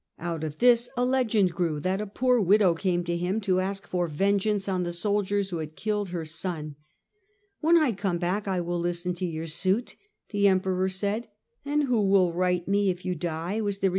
Out of this a legend grew that a poor widow came to him to ask for vengeance on the soldiers Taken as a who had killed her son. ' When I come back SSthenjus 1 will listen to your suit,' the Emperor said, tice in < yvho will right me if you die ?' was the art.